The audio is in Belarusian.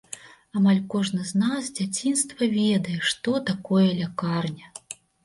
Амаль кожны з нас з дзяцінства ведае, што такое лякарня.